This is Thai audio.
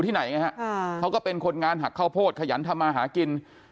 ที่ไหนไงฮะเขาก็เป็นคนงานหักข้าวโพดขยันทำมาหากิน